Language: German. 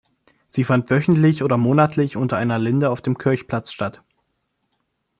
Sie fand wöchentlich oder monatlich unter einer Linde auf dem Kirchplatz statt.